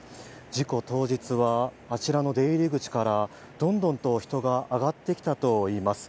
事故当日はあちらの出入り口からどんどんと人が上がってきたといいます。